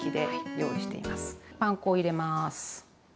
パン粉を入れます分量の。